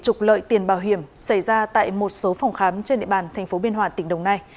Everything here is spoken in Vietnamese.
trục lợi tiền bảo hiểm xảy ra tại một số phòng khám trên địa bàn thành phố biên hòa tỉnh đồng nai